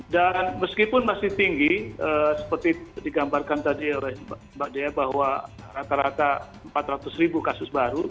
dan meskipun masih tinggi seperti digambarkan tadi oleh mbak dea bahwa rata rata empat ratus ribu kasus